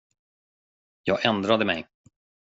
Jag ändrade mig.